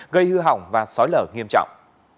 gây hư hỏng và sói lở nghiêm trọng